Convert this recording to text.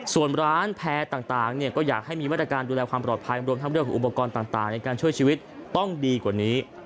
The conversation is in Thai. ส่วนร้านแพร่ต่างก็อยากให้มีมาตรการดูแลความปลอดภัยรวมทั้งเรื่องของอุปกรณ์ต่างในการช่วยชีวิตต้องดีกว่านี้